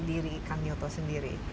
diri kak nyoto sendiri